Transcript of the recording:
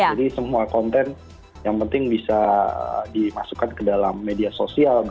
jadi semua konten yang penting bisa dimasukkan ke dalam media sosial